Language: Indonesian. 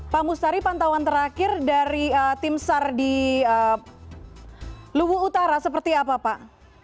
pak mustari pantauan terakhir dari tim sar di lubuk utara seperti apa pak